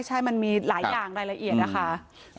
ใช่มันมีหลายอย่างละละเอียดค่ะ